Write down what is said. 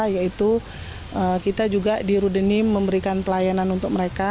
yaitu kita juga di rudenim memberikan pelayanan untuk mereka